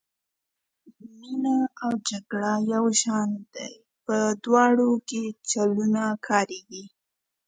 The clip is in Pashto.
مینه او جګړه یو شان دي په دواړو کې چلونه کاریږي.